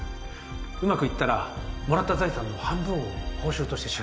うまくいったらもらった財産の半分を報酬として支払う。